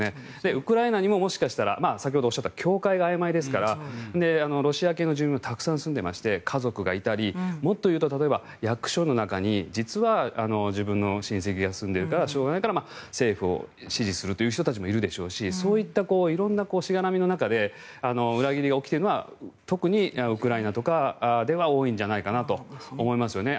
ウクライナにももしかしたら先ほどおっしゃった境界があいまいですからロシア系の住民もたくさん住んでいまして家族もいたりもっと言うと例えば役所の中に実は自分の親戚が住んでいるからしょうがないから政府を支持するという人たちもいるでしょうしそういった色んなしがらみの中で裏切りが起きているのは特にウクライナとかでは多いんじゃないかなとは思いますね。